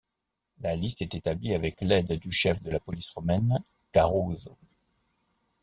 La liste est établie avec l'aide du chef de la police romaine, Caruso.